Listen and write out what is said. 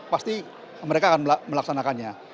pasti mereka akan melaksanakannya